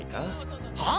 はあ⁉